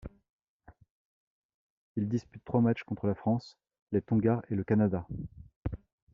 Il dispute trois matchs contre la France, les Tonga et le Canada.